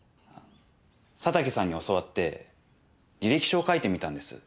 佐竹さんに教わって履歴書を書いてみたんです。